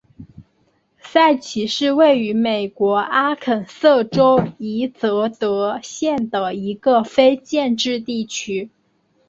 塞奇是位于美国阿肯色州伊泽德县的一个非建制地区。